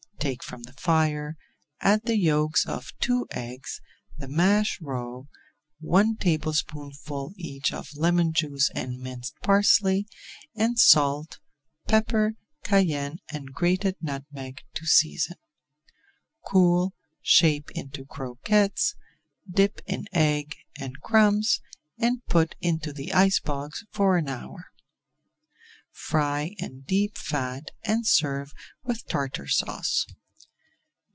Take from the fire, add the yolks of two eggs, the mashed roe, one tablespoonful each of lemon juice and minced parsley, and salt, pepper, cayenne, and grated nutmeg to season. Cool, shape into [Page 348] croquettes, dip in egg and crumbs, and put into the ice box for an hour. Fry in deep fat and serve with Tartar Sauce.